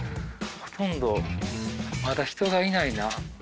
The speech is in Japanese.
ほとんどまだ人がいないな。